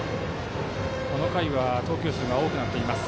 この回は投球数が多くなっています。